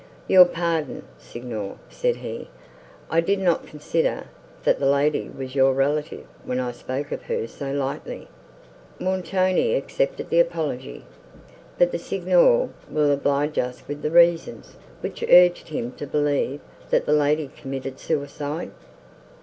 "Your pardon, Signor," said he: "I did not consider, that the lady was your relative, when I spoke of her so lightly." Montoni accepted the apology. "But the Signor will oblige us with the reasons, which urged him to believe, that the lady committed suicide."